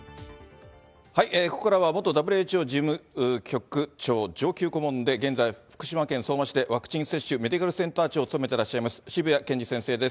ここからは、元ＷＨＯ事務局長、上級顧問で、現在、福島県相馬市でワクチン接種メディカルセンター長を務めてらっしゃいます、渋谷健司先生です。